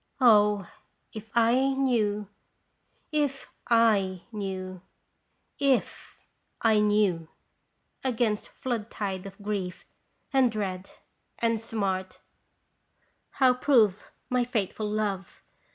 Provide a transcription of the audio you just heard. O, if I knew, if / knew, if I knew ! Against flood tide of grief and dread and smart How prove my faithful love